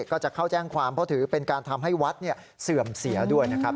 ก็จะเข้าแจ้งความเพราะถือเป็นการทำให้วัดเสื่อมเสียด้วยนะครับ